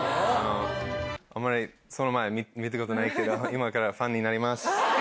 あまり、その前、見たことないけど、今からファンになります。